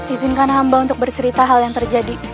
izinkan hamba untuk bercerita hal yang terjadi